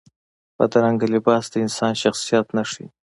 بدرنګه لباس د انسان شخصیت نه ښيي